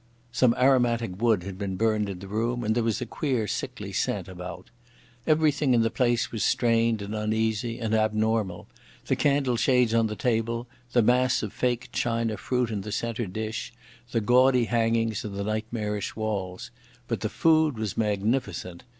Some aromatic wood had been burned in the room, and there was a queer sickly scent about. Everything in that place was strained and uneasy and abnormal—the candle shades on the table, the mass of faked china fruit in the centre dish, the gaudy hangings and the nightmarish walls. But the food was magnificent.